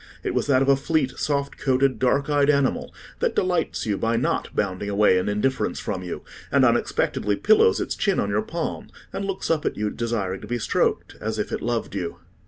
It was that of a fleet, soft coated, dark eyed animal that delights you by not bounding away in indifference from you, and unexpectedly pillows its chin on your palm, and looks up at you desiring to be stroked—as if it loved you.